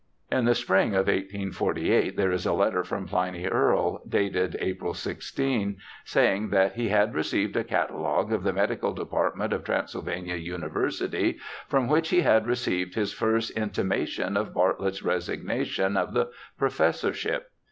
In the spring of 1848 there is a letter from Pliny Earle, dated April 16, saying that he had received a catalogue of the Medical Department of Transylvania University, from which he had received his first intimation of Bartlett's resignation of the pro fessorship.